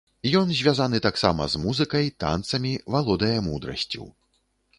Ён звязаны таксама з музыкай, танцамі, валодае мудрасцю.